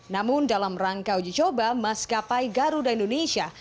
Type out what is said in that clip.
namun dalam rangka uji coba maskapai garuda indonesia